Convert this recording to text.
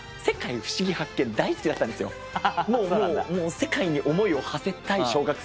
世界に思いをはせたい小学生。